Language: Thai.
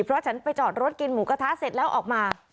เพราะฉันไปจอดรถกินหมูกระทะเสร็จแล้วออกมา